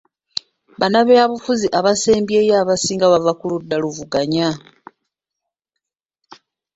Bannabyabufuzi abeesimbyewo abasinga bava ku ludda luvuganya.